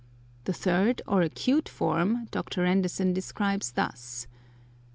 The third, or acute form, Dr. Anderson describes thus.